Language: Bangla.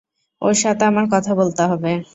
ওর সাথে আমার কথা বলতে হবে।